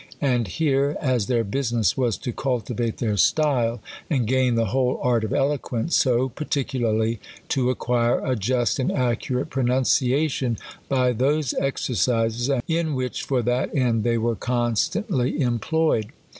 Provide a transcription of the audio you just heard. And here, as their business was to cultivate their style, and gain the whole art of eloquence, so particularly to acquire a just and accurate pronunciation by those exercises, in which for that end they were constantly employed.